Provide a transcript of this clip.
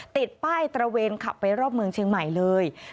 ติดป้ายตระเวนขับไปรอบเมืองเชียงใหม่เลย